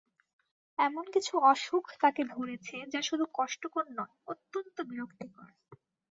এমন কিছু অসুখ তাঁকে ধরেছে, যা শুধু কষ্টকর নয়, অত্যন্ত বিরক্তিকর।